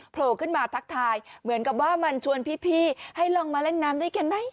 โผล่ขึ้นมาทักทายเหมือนกับว่ามันชวนพี่ให้ลงมาเล่นน้ำด้วยกันไหม